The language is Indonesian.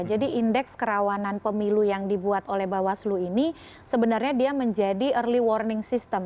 jadi indeks kerawanan pemilu yang dibuat oleh bawaslu ini sebenarnya dia menjadi early warning system